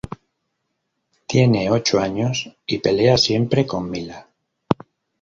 Tiene ocho años y pelea siempre con Mila.